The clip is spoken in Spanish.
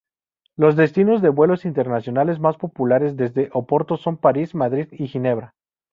Los destinos de vuelos internacionales más populares desde Oporto son París, Madrid y Ginebra.